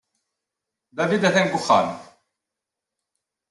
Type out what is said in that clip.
David atan deg uxxam.